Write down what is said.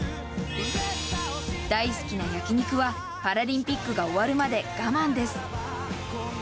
大好きな焼き肉は、パラリンピックが終わるまで我慢です。